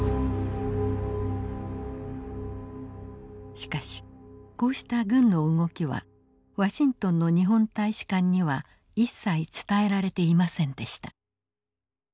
しかしこうした軍の動きはワシントンの日本大使館には一切伝えられていませんでした。